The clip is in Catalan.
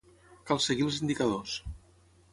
Cal seguir els indicadors.